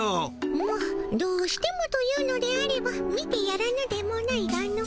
まっどうしてもと言うのであれば見てやらぬでもないがの。